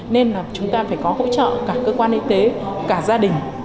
nên là chúng ta phải có hỗ trợ cả cơ quan y tế cả gia đình